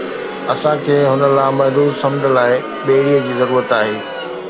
اسان کي هن لامحدود سمنڊ لاءِ ٻيڙيءَ جي ضرورت آهي